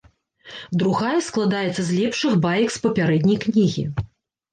Другая складзецца з лепшых баек з папярэдняй кнігі.